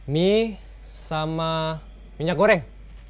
mie sama minyak goreng